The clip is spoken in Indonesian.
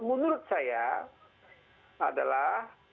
menurut saya adalah